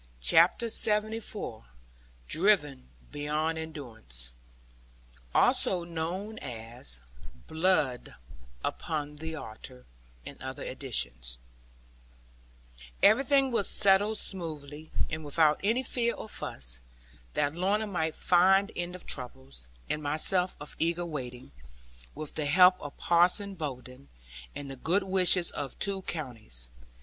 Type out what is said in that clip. CHAPTER LXXIV DRIVEN BEYOND ENDURANCE [Also known as BLOOD UPON THE ALTAR in other editions] Everything was settled smoothly, and without any fear or fuss, that Lorna might find end of troubles, and myself of eager waiting, with the help of Parson Bowden, and the good wishes of two counties.